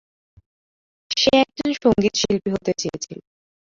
সে একজন সঙ্গীতশিল্পী হতে চেয়েছিল।